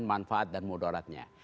manfaat dan moderatnya